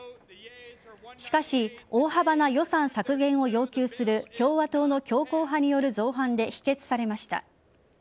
しかし大幅な予算削減を要求する共和党の強硬派による造反で否決されました。